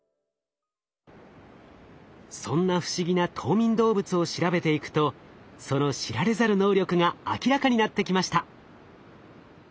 そんな不思議な冬眠動物を調べていくとその知られざる能力が明らかになってきました。